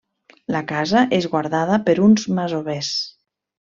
La casa és guardada per uns masovers.